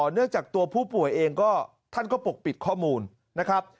เนื่องจากตัวผู้ป่วยเองก็ท่านก็ปกปิดข้อมูลนะครับ